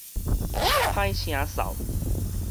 歹聲嗽